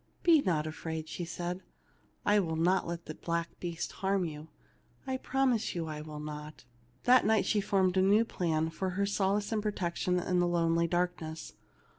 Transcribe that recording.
"Be not afraid/' said she. "Ill not let the black beast harm you ; I promise you I will not." That night she formed a new plan for her sol ace and protection in the lonely darkness.